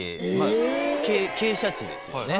傾斜地ですよね。